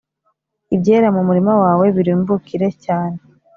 ibyera mu murima wawe birumbukire cyane